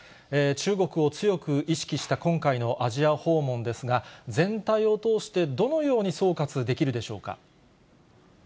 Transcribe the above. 中国を強く意識した今回のアジア訪問ですが、全体を通して、どのように総括できるでしょうか。